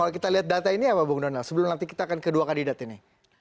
kalau kita lihat data ini apa bung donal sebelum nanti kita akan kedua kandidat ini